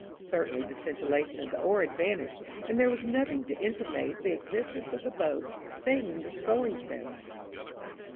Certainly the scintillation of the oar had vanished, and there was nothing to intimate the existence of the boat saving the sculling sound.